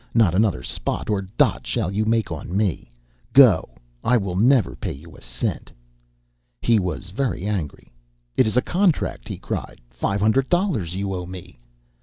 'Not another spot or dot shall you make on me! Go! I will never pay you a cent!' "He was very angry. 'It is a contract!' he cried. 'Five hundred dollars you owe me!'